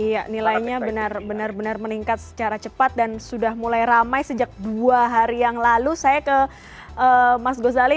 iya nilainya benar benar meningkat secara cepat dan sudah mulai ramai sejak dua hari yang lalu saya ke mas gozali